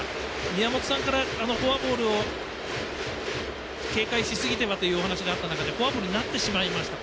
宮本さんからフォアボールを警戒しすぎてはというお話があった中でフォアボールになってしまいました。